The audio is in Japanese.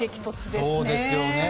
そうですよね。